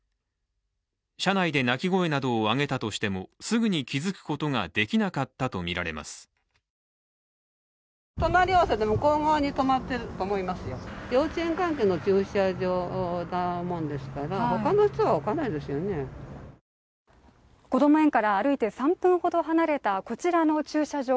車内で泣き声などを上げたとしてもすぐに気づくことができなかったとみられますこども園から歩いて３分ほど離れたこちらの駐車場